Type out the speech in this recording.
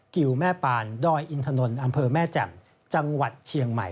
กิวแม่ปาลด้อยอินทนอแม่แจ่มจเชียงใหม่